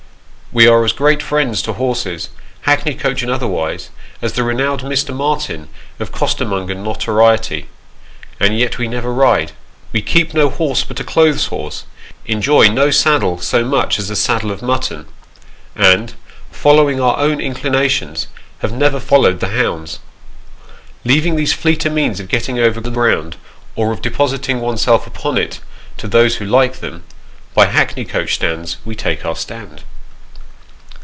Wo are as great friends to horses, hackney coach and otherwise, as the renowned Mr. Martin, of costermonger notoriety, and yet we never ride. Wo keep no horse, but a clothes horse ; enjoy no saddle so much as a saddle of mutton ; and, following our own inclinations, have never followed the hounds. Leaving these fleeter means of getting over the ground, or of depositing oue's self upon it, to those who like them, by hackney coach stands we take our stand.